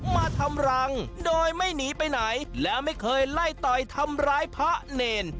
มาทำรังโดยไม่หนีไปไหนและไม่เคยไล่ต่อยทำร้ายพระเนร